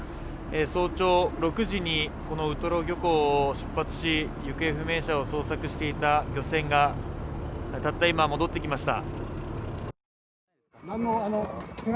早朝６時に、このウトロ漁港を出発し、行方不明者を捜索していた漁船がたった今戻ってきました。